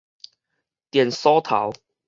電鎖頭